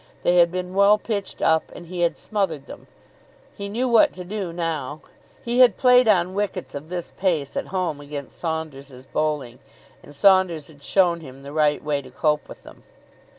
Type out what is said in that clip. They had been well pitched up, and he had smothered them. He knew what to do now. He had played on wickets of this pace at home against Saunders's bowling, and Saunders had shown him the right way to cope with them.